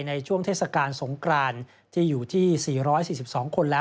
ในช่วงเทศกาลสงกรานที่อยู่ที่๔๔๒คนแล้ว